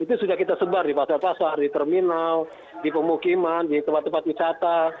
itu sudah kita sebar di pasar pasar di terminal di pemukiman di tempat tempat wisata